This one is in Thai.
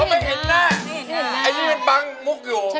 ไม่ได้เห็นหน้า